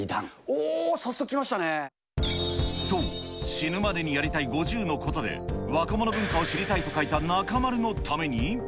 おお、そう、死ぬまでにやりたい５０のことで、若者文化を知りたいと書いた中丸のために。